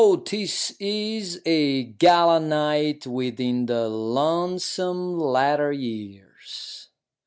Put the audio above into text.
't is a gala night Within the lonesome latter years.